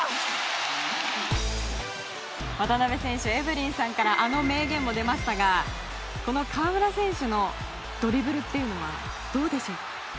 渡邊選手エブリンさんからあの名言も出ましたが河村選手の、ドリブルはどうですか？